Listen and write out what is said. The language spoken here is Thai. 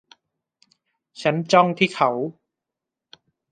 ฉันจ้องที่เขา